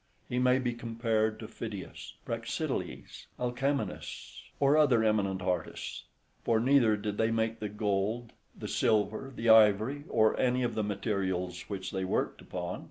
He may be compared to Phidias, Praxiteles, Alcamenus, or other eminent artists; for neither did they make the gold, the silver, the ivory, or any of the materials which they worked upon.